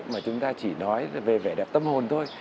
mà chúng ta chỉ nói về vẻ đẹp tâm hồn thôi